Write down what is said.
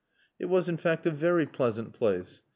It was in fact a very pleasant place.